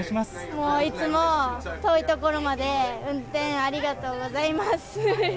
もういつも遠い所まで運転ありがとうございます。